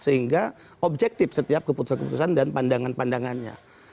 sehingga objektif setiap keputusan keputusan dan pandangan pandangannya